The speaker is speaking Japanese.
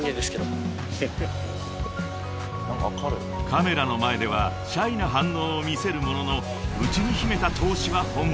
［カメラの前ではシャイな反応を見せるものの内に秘めた闘志は本物］